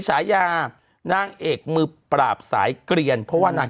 ฉะยาน่างเอกมือปราบสายเกลี่ยงเพราบว่านางแจ้ง